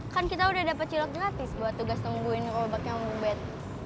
kan kita udah dapat cilok gratis buat tugas temuin robat yang ubed